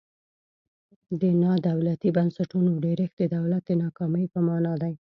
د نا دولتي بنسټونو ډیرښت د دولت د ناکامۍ په مانا دی.